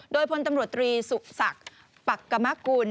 โดยพลตำรวจตรีสุศักดิ์ปักกมกุล